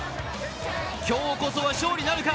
今日こそは勝利なるか。